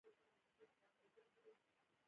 دوی پاڅون وکړ او دا پاڅون پر کورنۍ جګړې واوښت.